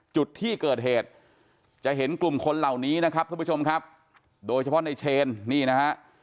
จุดที่เกิดเหตุจะเห็นกลุ่มคนเหล่านี้นะครับท่านผู้ชมครับโดยเฉพาะในเชนนี่นะฮะ